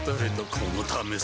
このためさ